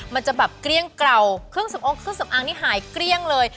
มันจะแบบเกลี้ยงเกล่าเครื่องสำอางนี้หายเกลี้ยงเลย